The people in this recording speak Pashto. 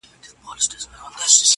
نن مي بيا يادېږي ورځ تېرېږي